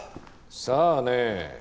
さあね。